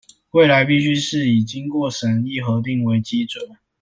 未來必須是以經過審議核定為基準